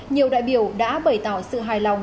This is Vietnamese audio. nhiều đại biểu đã bày tỏ sự hài lòng